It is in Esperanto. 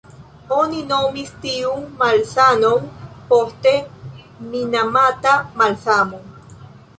Oni nomis tiun malsanon poste Minamata-malsano.